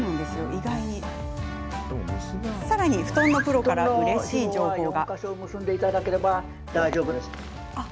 さらに、布団のプロからうれしい情報が。